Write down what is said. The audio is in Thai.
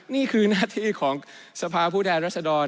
นี่คือหน้าที่ของสภาพผู้แทนรัศดร